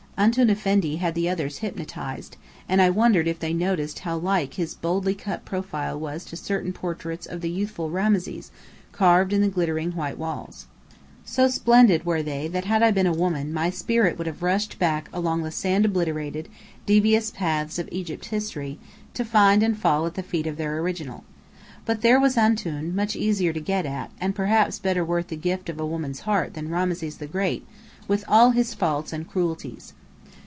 "Antoun Effendi" had the others hypnotized, and I wondered if they noticed how like his boldly cut profile was to certain portraits of the youthful Rameses carved on the glittering white walls. So splendid were they that had I been a woman my spirit would have rushed back along the sand obliterated, devious paths of Egypt's history, to find and fall at the feet of their original. But there was Antoun, much easier to get at, and perhaps better worth the gift of a woman's heart than Rameses the Great with all his faults and cruelties!